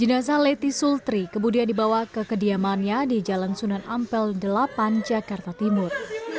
jenazah leti sultri kemudian dibawa ke kediamannya di jalan sunan ampel delapan jakarta timur